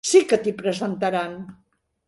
Sí que t'hi presentaran.